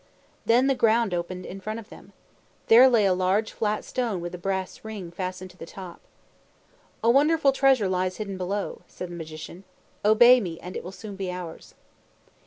Then the ground opened in front of them. There lay a large flat stone with a brass ring fastened to the top. "A wonderful treasure lies hidden below," said the Magician. "Obey me, and it will soon be ours."